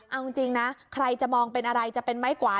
เอาจริงนะใครจะมองเป็นอะไรจะเป็นไม้กวาด